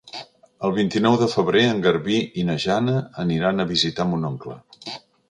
El vint-i-nou de febrer en Garbí i na Jana aniran a visitar mon oncle.